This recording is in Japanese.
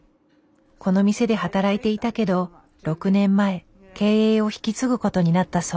この店で働いていたけど６年前経営を引き継ぐことになったそう。